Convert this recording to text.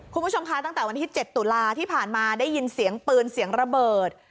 คุณผู้ชมคะตั้งแต่วันที่๗ตุลาที่ผ่านมาได้ยินเสียงปืนเสียงระเบิด